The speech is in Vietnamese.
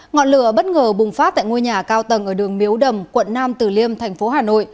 ngọn lửa bất ngờ bùng phát tại ngôi nhà cao tầng ở đường miếu đầm quận nam tử liêm thành phố hà nội